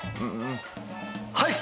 はい来た！